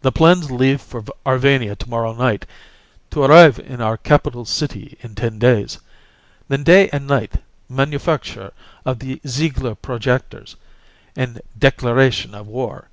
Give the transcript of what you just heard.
"The plans leave for Arvania to morrow night, to arrive in our capital city in ten days. Then day and night manufacture of the Ziegler projectors and declaration of war.